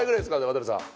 渡部さん